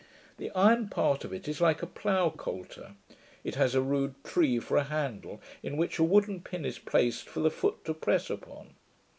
The iron part of it is like a plough coulter. It has a rude tree for a handle, in which a wooden pin is placed for the foot to press upon.